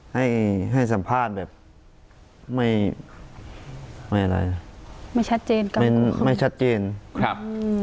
ให้ให้สัมภาษณ์แบบไม่ไม่อะไรไม่ชัดเจนกันไม่ชัดเจนครับอืม